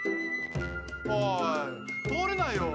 おい通れないよ。